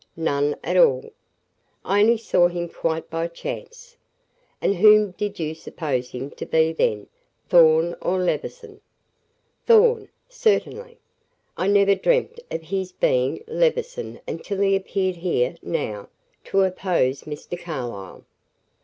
"None at all. I only saw him quite by chance." "And whom did you suppose him to be then Thorn or Levison?" "Thorn, certainly. I never dreamt of his being Levison until he appeared here, now, to oppose Mr. Carlyle."